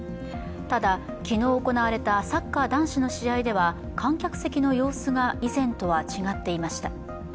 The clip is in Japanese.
ただ、昨日行われたサッカー男子の試合では観客席の様子が以前とは違っていました。